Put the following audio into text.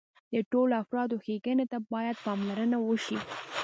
د ټولو افرادو ښېګڼې ته باید پاملرنه وشي.